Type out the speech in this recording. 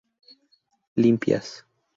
limpias